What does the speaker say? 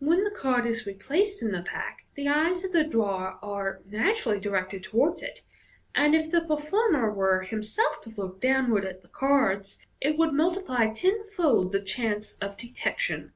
When the card is replaced in the pack, the eyes of the drawer are naturally directed towards it ; and if the performer were himself to look downward at the cards, it would multiply tenfold the chances of detection.